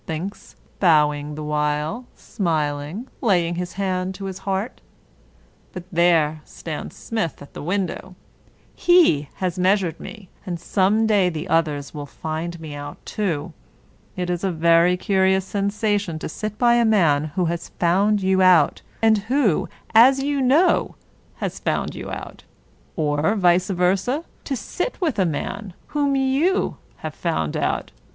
thinks (bowing the while, smil ing, laying his hand to his heart) ;" but there stands Smith at the window: he has measured me; and some day the others will find me out too." It is a very curious sensation to sit by a man who has found you out, and who, as you know, has found you out ; or, vice versa, to sit with a man whom you have found out.